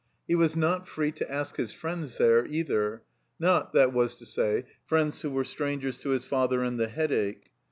He was not free to ask his friends there either; not, that was to say, friends who were strangers to his father and the Headache.